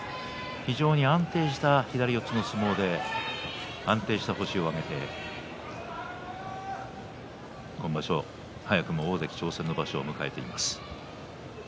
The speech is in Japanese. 非常に安定した左四つの相撲で安定した星を挙げて今場所、早くも大関挑戦の場所を迎えています。